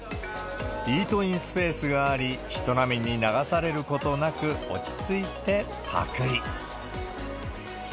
イートインスペースがあり、人波に流されることなく落ち着いて、ぱくり。